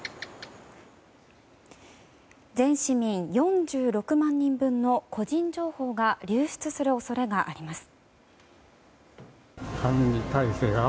全市民４６万人分の個人情報が流出する恐れがあります。